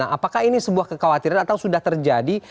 apakah ini sebuah kekhawatiran atau sudah terjadi